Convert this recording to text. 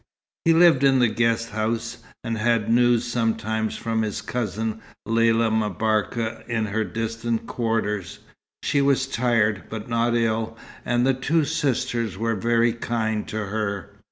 He lived in the guest house, and had news sometimes from his cousin Lella M'Barka in her distant quarters. She was tired, but not ill, and the two sisters were very kind to her.